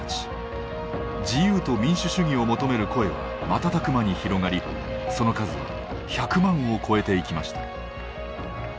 自由と民主主義を求める声は瞬く間に広がりその数は１００万を超えていきました。